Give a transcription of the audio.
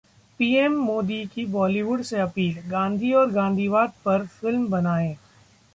PM Modi की Bollywood से appeal- Gandhi और गांधीवाद पर फिल्म बनाएं